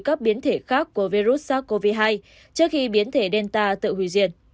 các biến thể khác của virus sars cov hai trước khi biến thể delta tự hủy diệt